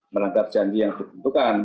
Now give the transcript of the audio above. melanggar janji yang ditentukan